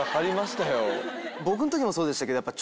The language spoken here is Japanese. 僕のときもそうでしたけどやっぱ。